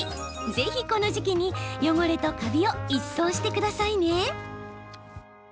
ぜひ、この時期に汚れとカビを一掃してくださいね。